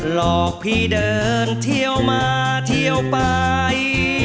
หลอกพี่เดินเที่ยวมาเที่ยวไป